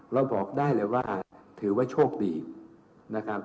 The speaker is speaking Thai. เราบอกได้เลยว่าถือว่าโชคดีนะครับ